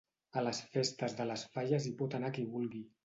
A les festes de les falles hi pot anar qui vulgui.